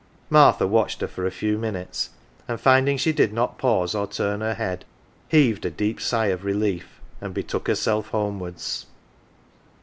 Martha watched her for a fcw minutes, and, finding she did not pause or turn her head, heaved a deep sigh of relief and betook herself homewards.